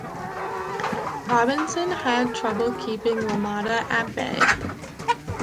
Robinson had trouble keeping LaMotta at bay.